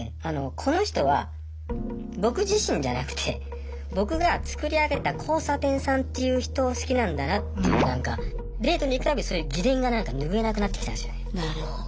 この人は僕自身じゃなくて僕が作り上げた交差点さんっていう人を好きなんだなっていうなんかデートに行く度そういう疑念が拭えなくなってきたんですよね。